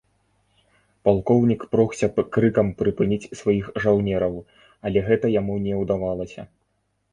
Палкоўнік прогся крыкам прыпыніць сваіх жаўнераў, але гэта яму не удавалася.